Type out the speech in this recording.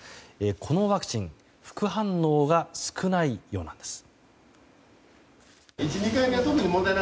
このワクチン副反応が少ないようなんです。